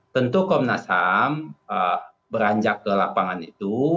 tentu komnas ham beranjak ke lapangan itu